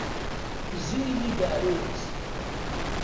Tezzi-iyi-d aɛrur-is.